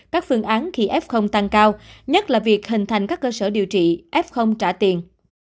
các phương án khi f tăng cao nhất là việc hình thành các cơ sở điều trị f trả tiền